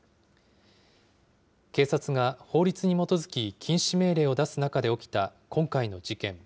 警察が法律に基づき禁止命令を出す中で起きた今回の事件。